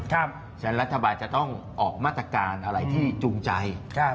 เพราะฉะนั้นรัฐบาลจะต้องออกมาตรการอะไรที่จูงใจ